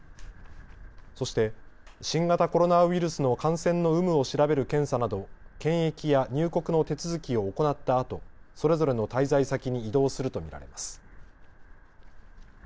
そして新型コロナウイルスの感染の有無を調べる検査など検疫や入国の手続きを行ったあとそれぞれの滞在先に移動すると見られます。